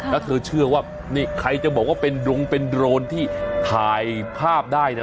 แล้วเธอเชื่อว่านี่ใครจะบอกว่าเป็นดงเป็นโดรนที่ถ่ายภาพได้นะ